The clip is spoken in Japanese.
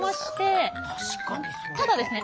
ただですね